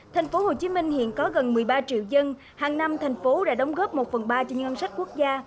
thành phố hồ chí minh hiện có gần một mươi ba triệu dân hàng năm thành phố đã đóng góp một phần ba cho những ngân sách quốc gia